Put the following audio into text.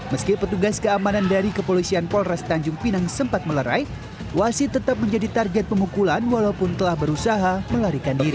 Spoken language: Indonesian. meski petugas keamanan dari kepolisian polres tanjung pinang sempat melerai wasit tetap menjadi target pemukulan walaupun telah berusaha melarikan diri